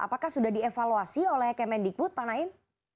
apakah sudah dievaluasi oleh kemendikbud pak naim